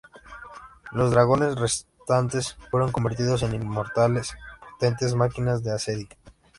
Los dragones restantes fueron convertidos en Inmortales, potentes máquinas de asedio.